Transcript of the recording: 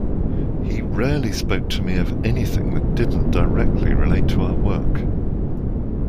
He rarely spoke to me of anything that didn't directly relate to our work.